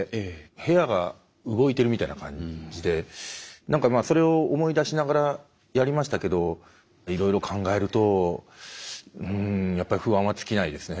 部屋が動いてるみたいな感じで何かそれを思い出しながらやりましたけどいろいろ考えるとうんやっぱり不安は尽きないですね。